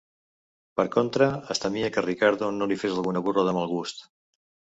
Per contra, es temia que Ricardo no li fes alguna burla de mal gust.